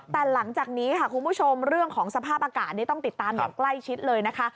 แต่หลังจากนี้ค่ะคุณผู้ชมเรื่องของสภาพอากาศนี้ต้องติดตามอย่างใกล้ชิดเลยนะคะ